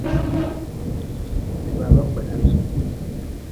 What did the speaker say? Ni baaba kpenin.